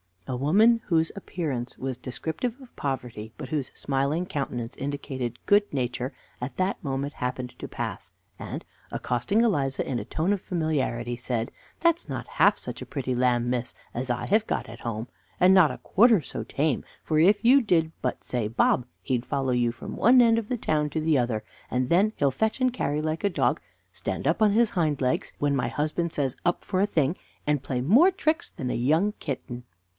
A woman whose appearance was descriptive of poverty but whose smiling countenance indicated good nature, at that moment happened to pass, and, accosting Eliza in a tone of familiarity, said: "That's not half such a pretty lamb, miss, as I have got at home, and not a quarter so tame, for if you did but say, 'Bob' he'd follow you from one end of the town to the other, and then he'll fetch and carry like a dog, stand up on his hind legs, when my husband says 'Up' for the thing, and play more tricks than a young kitten."